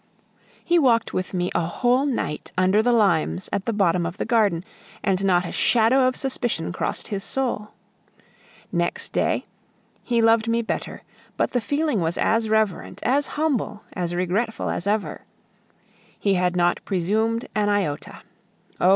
He walked with me a whole night under the limes at the bottom of the garden, and not a shadow of suspicion crossed his soul. Next day he loved me better, but the feeling was as reverent, as humble, as regretful as ever; he had not presumed an iota. Oh!